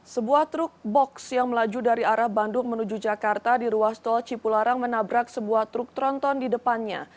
sebuah truk box yang melaju dari arah bandung menuju jakarta di ruas tol cipularang menabrak sebuah truk tronton di depannya